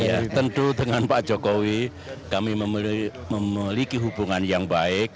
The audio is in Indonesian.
ya tentu dengan pak jokowi kami memiliki hubungan yang baik